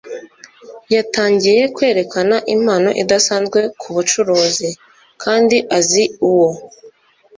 yatangiye kwerekana impano idasanzwe kubucuruzi, kandi azi uwo